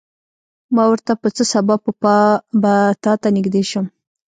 ما ورته په څه سبب به تاته نږدې شم.